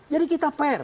jadi kita fair